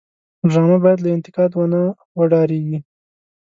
ډرامه باید له انتقاد ونه وډاريږي